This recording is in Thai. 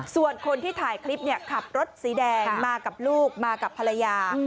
ส่วนคนที่ถ่ายคลิปขับรถสีแดงมากับลูกมากับภรรยา